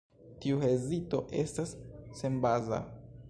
Tiu hezito estas senbaza.